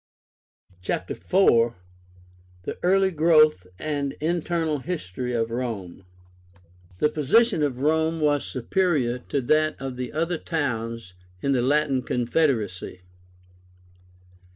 CHAPTER IV. THE EARLY GROWTH AND INTERNAL HISTORY OF ROME. The position of Rome was superior to that of the other towns in the Latin Confederacy.